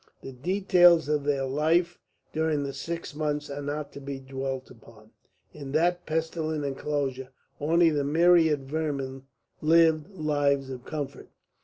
The details of their life during the six months are not to be dwelt upon. In that pestilent enclosure only the myriad vermin lived lives of comfort.